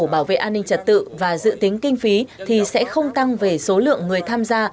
bảo vệ an ninh trật tự và dự tính kinh phí thì sẽ không tăng về số lượng người tham gia